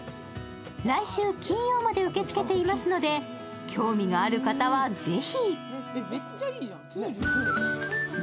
来週金曜まで受け付けていますので興味がある方はぜひ。